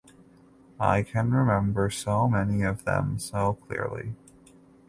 I can remember so many of them so clearly.